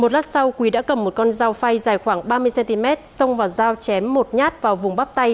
một lát sau quý đã cầm một con dao phay dài khoảng ba mươi cm xông vào dao chém một nhát vào vùng bắp tay